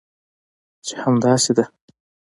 چې همداسې ده؟